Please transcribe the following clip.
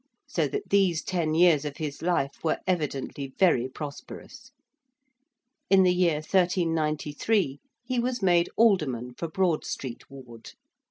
So that these ten years of his life were evidently very prosperous. In the year 1393 he was made Alderman for Broad Street Ward.